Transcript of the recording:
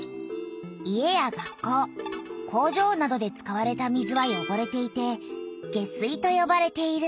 家や学校工場などで使われた水はよごれていて「下水」とよばれている。